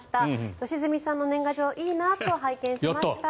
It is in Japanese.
良純さんの年賀状いいなと拝見しました。